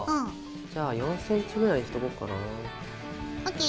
じゃあ４ｃｍぐらいにしとこうかな。ＯＫ！